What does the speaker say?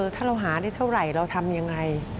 ถ้าเราหาได้เท่าไหร่เราทำยังไง